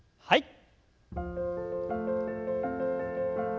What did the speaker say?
はい。